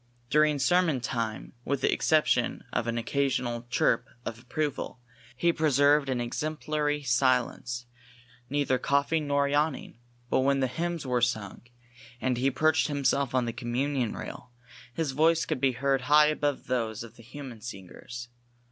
During sermon time, with the exception of an occasional chirp of approval, he preserved an exemplary silence, neither coughing nor yawning, but when the hymns were sung, and he perched himself on the communion rail, his voice could be heard high above those of the human singers.